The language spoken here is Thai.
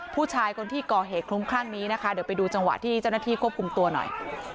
ผู้ชายคนที่ก่อเหตุคลุ้มคลั่งนี้นะคะเดี๋ยวไปดูจังหวะที่เจ้าหน้าที่ควบคุมตัวหน่อย